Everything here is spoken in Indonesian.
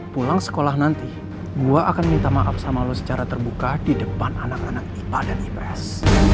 pulang sekolah nanti gue akan minta maaf sama lo secara terbuka di depan anak anak ibadah ips